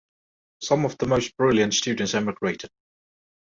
Some of the most brilliant students emigrated.